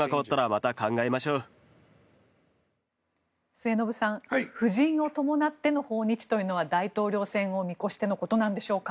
末延さん夫人を伴っての訪日というのは大統領選を見越してのことなんでしょうか。